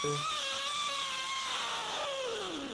Con este monumento el municipio de St.